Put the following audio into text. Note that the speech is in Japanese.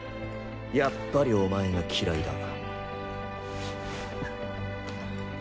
やっぱりお前が嫌いだ。